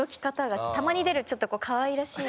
たまに出るちょっとこう可愛らしい。